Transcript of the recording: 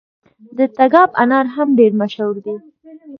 د تګاب انار هم ډیر مشهور دي.